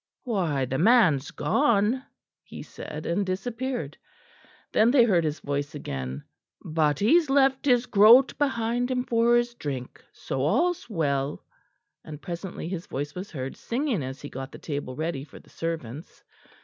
"Why, the man's gone," he said, and disappeared. Then they heard his voice again. "But he's left his groat behind him for his drink, so all's well"; and presently his voice was heard singing as he got the table ready for the servants.